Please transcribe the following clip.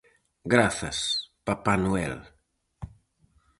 Grazas, Papá Noel.